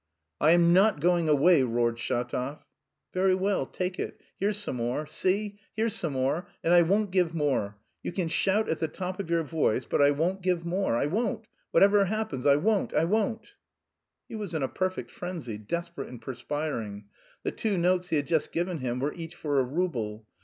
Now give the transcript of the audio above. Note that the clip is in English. "I am not going away!" roared Shatov. "Very well, take it, here's some more, see, here's some more, and I won't give more. You can shout at the top of your voice, but I won't give more, I won't, whatever happens, I won't, I won't." He was in a perfect frenzy, desperate and perspiring. The two notes he had just given him were each for a rouble.